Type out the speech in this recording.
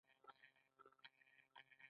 د وینې فشار ټیټولو لپاره څه شی وخورم؟